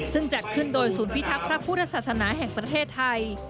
ซึ่งจัดขึ้นโดยศูนย์พิทักษ์พระพุทธศาสนาแห่งประเทศไทย